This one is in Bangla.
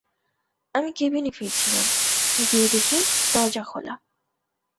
আমি কেবিনে ফিরছিলাম, গিয়ে দেখি দরজা খোলা!